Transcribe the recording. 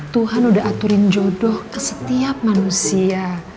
tuhan udah aturin jodoh ke setiap manusia